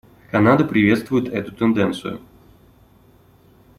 Канада приветствует эту тенденцию.